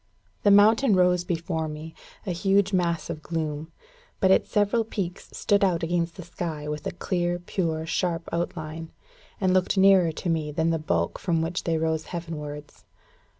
The mountain rose before me, a huge mass of gloom; but its several peaks stood out against the sky with a clear, pure, sharp outline, and looked nearer to me than the bulk from which they rose heaven wards.